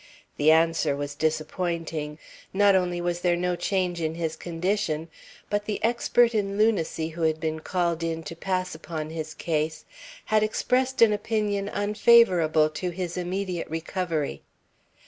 The answer was disappointing. Not only was there no change in his condition, but the expert in lunacy who had been called in to pass upon his case had expressed an opinion unfavorable to his immediate recovery.